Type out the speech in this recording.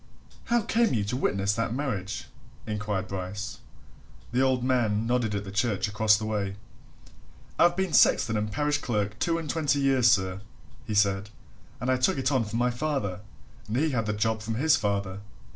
"How came you to witness that marriage?" inquired Bryce. The old man nodded at the church across the way. "I've been sexton and parish clerk two and thirty years, sir," he said. "And I took it on from my father and he had the job from his father."